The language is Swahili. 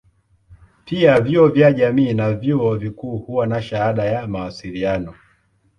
Pia vyuo vya jamii na vyuo vikuu huwa na shahada ya mawasiliano.